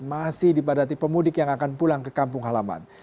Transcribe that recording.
masih dipadati pemudik yang akan pulang ke kampung halaman